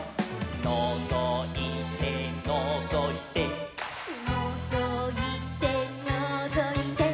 「のぞいてのぞいて」「のぞいてのぞいて」